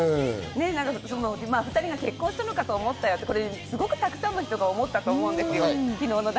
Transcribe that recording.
２人が結婚したのかと思ったよとすごくたくさんの人が思ったと思うんですよ。